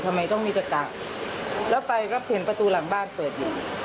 ทำไมต้องมีตะกะแล้วไปก็เห็นประตูหลังบ้านเปิดอยู่